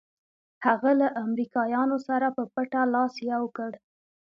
هغه له امریکایانو سره په پټه لاس یو کړ.